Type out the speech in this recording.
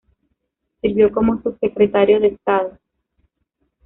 Sirvió como Subsecretario de Estado.